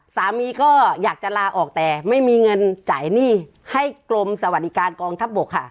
สามีก็อยากจะลาออกแต่ไม่มีเงินจ่ายหนี้ให้กรมสวัสดิการกองทัพบกค่ะ